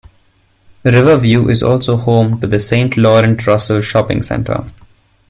Riverview is also home to the St-Laurent-Russell Shopping Centre.